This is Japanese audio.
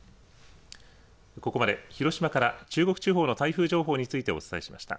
ここまで広島から中国地方の台風情報についてお伝えしました。